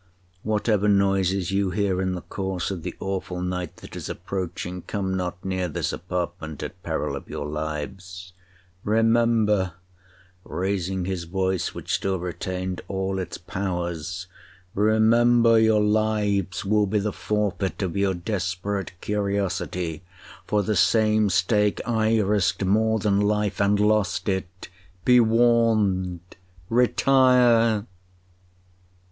Whatever noises you hear in the course of the awful night that is approaching, come not near this apartment, at peril of your lives. Remember,' raising his voice, which still retained all its powers, 'remember your lives will be the forfeit of your desperate curiosity. For the same stake I risked more than life—and lost it!—Be warned—retire!'